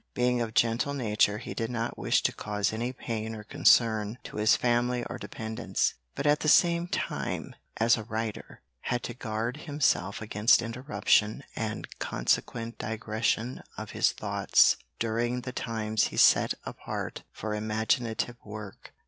Being of gentle nature he did not wish to cause any pain or concern to his family or dependents; but at the same time he, as a writer, had to guard himself against interruption and consequent digression of his thoughts during the times he set apart for imaginative work.